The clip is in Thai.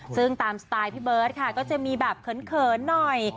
ซึ่งตามสไตล์พี่เบิร์ตค่ะก็จะมีแบบเขินหน่อย